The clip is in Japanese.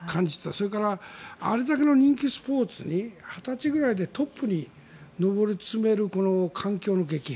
それからあれだけの人気スポーツに２０歳ぐらいでトップに上り詰める、この環境の激変。